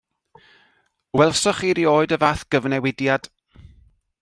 Welsoch chi erioed y fath gyfnewidiad.